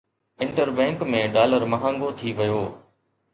inter bank ۾ dollar مهانگو ٿي ويو